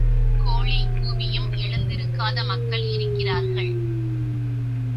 கோழி கூவியும் எழுந்திருக்காத மக்கள் இருக்கிறார்கள்.